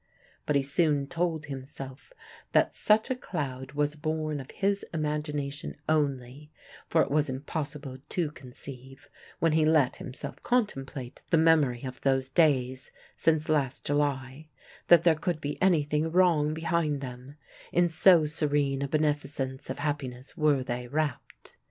But he soon told himself that such a cloud was born of his imagination only, for it was impossible to conceive, when he let himself contemplate the memory of those days since last July, that there could be anything wrong behind them, in so serene a beneficence of happiness were they wrapped.